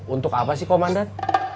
untuk apa sih komandan